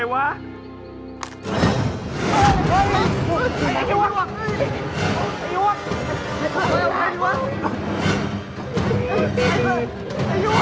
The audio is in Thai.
เราไม่สามารถติดต่อกับน้องน้องทางฟัง